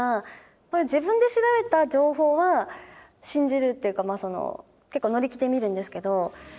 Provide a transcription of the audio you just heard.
そういう自分で調べた情報は信じるっていうかまあその結構乗り気で見るんですけど。